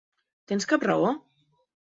Tens cap raó?